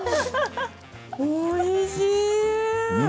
おいしい。